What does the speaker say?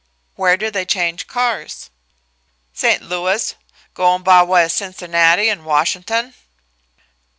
"Where do they change cars?" "St. Louis goin' by way of Cincinnati an' Washin'ton."